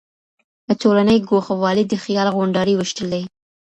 له ټولني ګوښه والی د خيال غونډاري ويشتل دي.